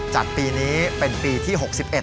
ปีนี้เป็นปีที่๖๑